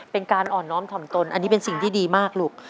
เป็นการอ่อนน้อมถ่อมตนอันนี้เป็นสิ่งที่ดีมากลูก